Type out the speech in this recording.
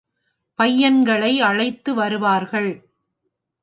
பையன்களை அழைத்து வருவார்கள்.